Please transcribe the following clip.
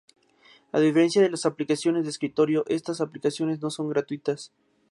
A diferencia de las aplicaciones de escritorio, esta aplicaciones no son gratuitas.